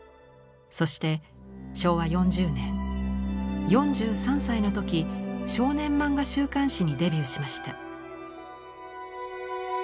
そして昭和４０年４３歳の時少年漫画週刊誌にデビューしました。